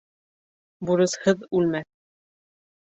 Бурысһыҙ үлмәҫ